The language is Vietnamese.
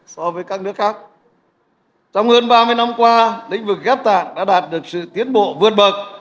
thủ tướng khẳng định trong hơn ba mươi năm lĩnh vực ghép tạng đã đạt được sự tiến bộ vượt bậc